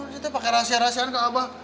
kita pakai rahasia rahasian ke abah